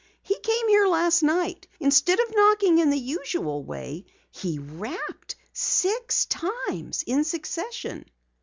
He came here last night. Instead of knocking in the usual way, he rapped six times in succession!"